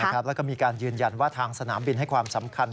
แล้วก็มีการยืนยันว่าทางสนามบินให้ความสำคัญ